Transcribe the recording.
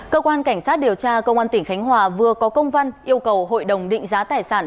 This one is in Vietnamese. cơ quan cảnh sát điều tra công an tỉnh khánh hòa vừa có công văn yêu cầu hội đồng định giá tài sản